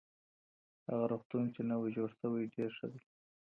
هغه روغتون چی نوی جوړ سوی ډېر ښه دی.